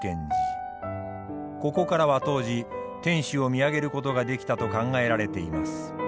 ここからは当時天主を見上げることができたと考えられています。